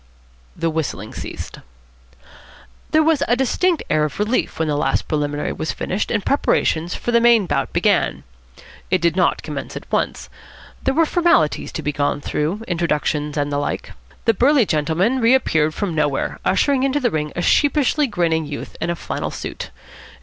The whistling ceased. There was a distinct air of relief when the last preliminary was finished and preparations for the main bout began. It did not commence at once. There were formalities to be gone through, introductions and the like. The burly gentleman reappeared from nowhere, ushering into the ring a sheepishly grinning youth in a flannel suit.